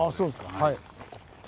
はい。